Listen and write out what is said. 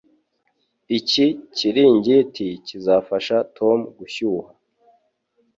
Iki kiringiti kizafasha Tom gushyuha.